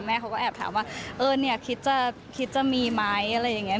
เขาก็แอบถามว่าเออเนี่ยคิดจะคิดจะมีไหมอะไรอย่างนี้